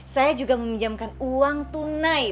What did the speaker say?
saya juga meminjamkan uang tunai